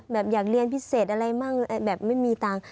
แบบอยากเรียนพิเศษอะไรมั่งแบบไม่มีตังค์